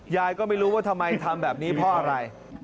ยายก็ไม่รู้ว่าทำไมทำแบบนี้เพราะอะไร